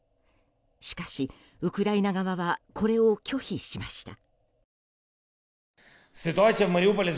しかし、ウクライナ側はこれを拒否しました。